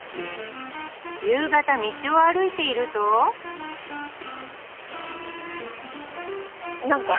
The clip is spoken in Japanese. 夕方道を歩いているとなんか